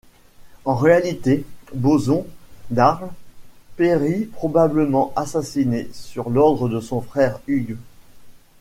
En réalité Boson d'Arles périt probablement assassiné sur l'ordre de son frère Hugues.